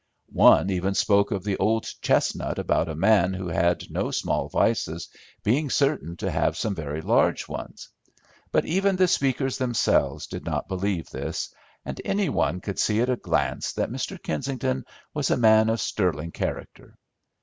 One even spoke of the old chestnut about a man who had no small vices being certain to have some very large ones; but even the speakers themselves did not believe this, and any one could see at a glance that Mr. Kensington was a man of sterling character.